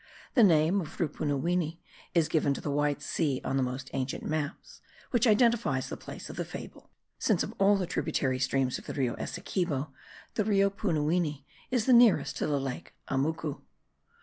The name of Rupunuwini is given to the White Sea on the most ancient maps, which identifies the place of the fable, since of all the tributary streams of the Rio Essequibo the Rupunuwini is the nearest to the lake Amucu.